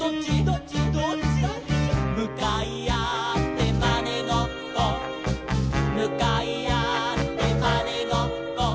「むかいあってまねごっこ」「むかいあってまねごっこ」